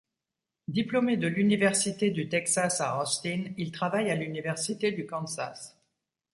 Diplômé de l'université du Texas à Austin, il travaille à l'université du Kansas.